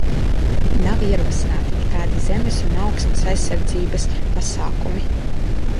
Nav ierosināti nekādi zemes un augsnes aizsardzības pasākumi.